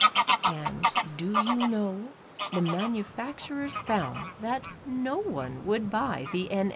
And do you know, the manufacturers found that no one would buy the N.